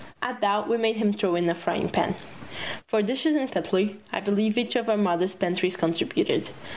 At that we made him throw in a frying pan. For dishes and cutlery, I believe each of our mothers' pantries contributed.